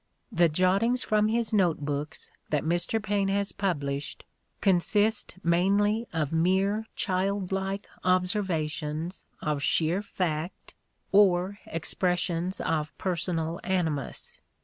The jottings from his note books that Mr. Paine has pub lished consist mainly of mere childlike observations of sheer fact or expressions of personal animus.